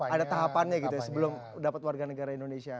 ada tahapannya gitu sebelum dapat warganegara indonesia